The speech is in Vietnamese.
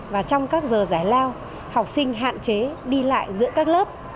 và trong các giờ giải lao học sinh hạn chế đi lại giữa các lớp